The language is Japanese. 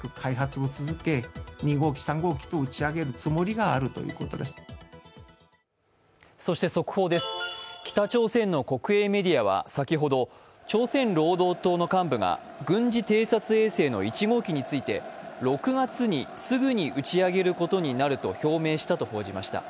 北朝鮮の狙いについて専門家は速報です、北朝鮮の国営メディアは先ほど、朝鮮労働党の幹部が軍事偵察衛星の１号機について６月にすぐに打ち上げることになると表明したと報じました。